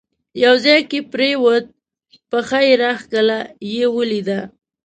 یو ځای کې پرېوت، پښه یې راکښله، یې ولیده.